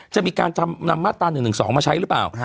จะมีการนำมาตรา๑๑๒มาใช้หรือเปล่า